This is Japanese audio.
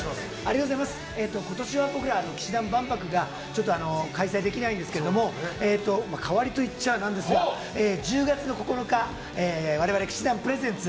今年は僕ら氣志團万博が開催できないんですけど代わりと言っちゃなんですが１０月の９日我々、氣志團プレゼンツ